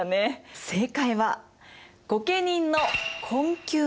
正解は御家人の困窮なんです。